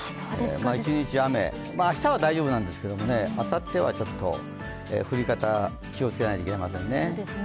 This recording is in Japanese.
１日雨、明日は大丈夫なんですけどあさってはちょっと降り方気をつけないといけませんね。